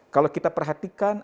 kalau kita perhatikan